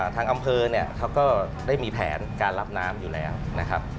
ทางอำเภอเนี่ยเขาก็ได้มีแผนการรับน้ำอยู่แล้วนะครับ